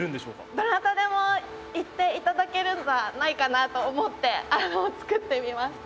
どなたでもいって頂けるんじゃないかなと思ってつくってみました。